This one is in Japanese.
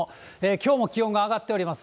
きょうも気温が上がっております。